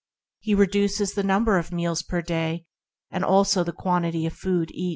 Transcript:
He reduces the number of meals each day, and also the quantity of food eaten.